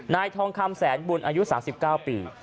ทองคำแสนบุญอายุ๓๙ปี